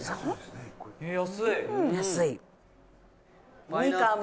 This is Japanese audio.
安い！